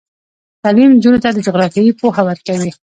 تعلیم نجونو ته د جغرافیې پوهه ورکوي.